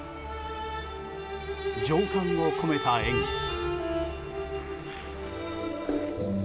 情感を込めた演技。